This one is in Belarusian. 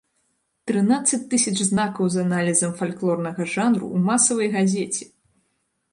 Трынаццаць тысяч знакаў з аналізам фальклорнага жанру ў масавай газеце!